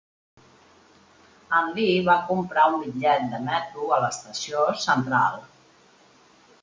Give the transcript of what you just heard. En Lee va comprar un bitllet de metro a l'estació central.